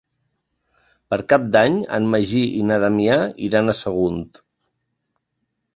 Per Cap d'Any en Magí i na Damià iran a Sagunt.